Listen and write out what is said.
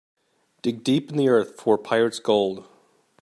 Dig deep in the earth for pirate's gold.